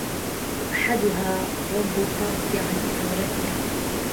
أَحَدُهَا غَضُّ الطَّرْفِ عَنْ إثَارَتِهَا